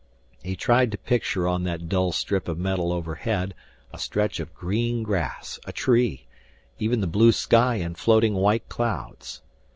He tried to picture on that dull strip of metal overhead a stretch of green grass, a tree, even the blue sky and floating white clouds.